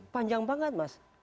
panjang banget mas